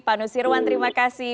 pak nusirwan terima kasih